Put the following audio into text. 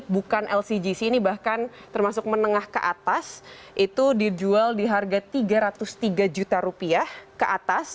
bukan lcgc ini bahkan termasuk menengah ke atas itu dijual di harga tiga ratus tiga juta rupiah ke atas